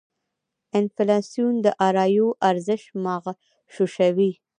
انفلاسیون داراییو ارزش مغشوشوي.